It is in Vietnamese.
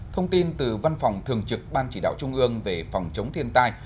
thông tin từ văn phòng thường trực ban chỉ đạo trung ương về phòng chống thiên tai